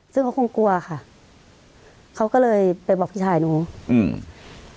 ซึ่งเขาคงกลัวค่ะเขาก็เลยไปบอกพี่ชายหนูอืม